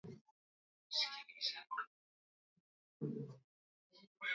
reuben lukumbuka anaarifu zaidi